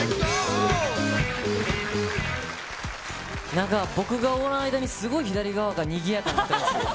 なんか、僕がおらん間に、すごい左側がにぎやかになってますよ。